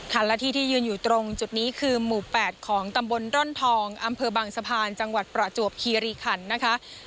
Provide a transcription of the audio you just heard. และที่ที่ยืนอยู่ตรงจุดนี้คือหมู่๘ของตำบลร่อนทองอำเภอบางสะพานจังหวัดประจวบคีรีคันนะคะ